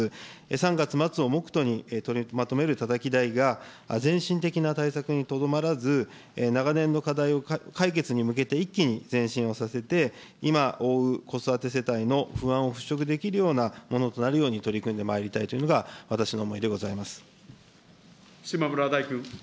３月末を目途に、取りまとめるたたき台が、漸進的な対策にとどまらず、長年の課題を解決に向けて、一気に前進をさせて、今、子育て世帯不安を払拭できるようなものとなるように取り組んでまいりたいというのが、私の思いでございます。